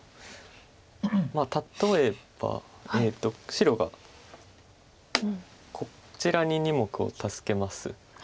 例えば白がこちらに２目を助けます。